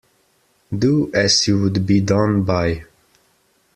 Do as you would be done by.